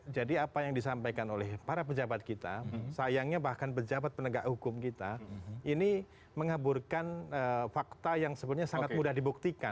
jadi apa yang disampaikan oleh para pejabat kita sayangnya bahkan pejabat penegak hukum kita ini menghaburkan fakta yang sebetulnya sangat mudah dibuktikan